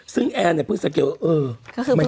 ซึ่งแอนเนี่ยเพิ่งสังเกตว่าเออ